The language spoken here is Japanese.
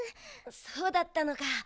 そうだったのか。